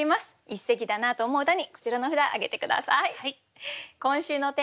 一席だなと思う歌にこちらの札挙げて下さい。